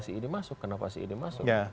sih ini masuk kenapa sih ini masuk